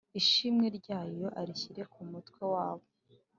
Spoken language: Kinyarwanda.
ishimwe ryabo arishyire ku mutwe wabo